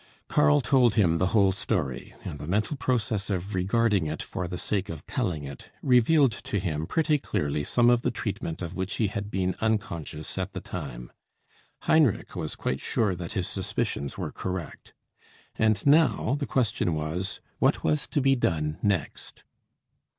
Karl told him the whole story; and the mental process of regarding it for the sake of telling it, revealed to him pretty clearly some of the treatment of which he had been unconscious at the time. Heinrich was quite sure that his suspicions were correct. And now the question was, what was to be done next?